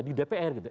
di dpr gitu